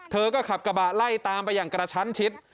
เธอก็ขับกระบะไล่ตามไปอย่างกระชั้นชิด